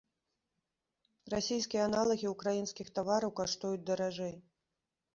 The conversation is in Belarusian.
Расійскія аналагі ўкраінскіх тавараў каштуюць даражэй.